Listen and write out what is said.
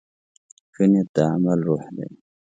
ښه نیت د عمل روح دی.